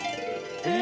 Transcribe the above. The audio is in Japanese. え！